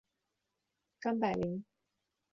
张百麟。